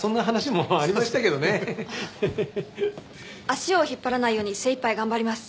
足を引っ張らないように精いっぱい頑張ります。